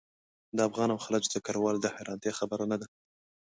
د افغان او خلج ذکرول د حیرانتیا خبره نه ده.